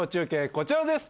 こちらです